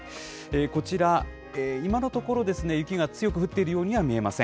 こちら、今のところ、雪が強く降っているようには見えません。